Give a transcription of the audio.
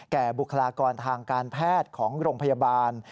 บุคลากรทางการแพทย์ของโรงพยาบาล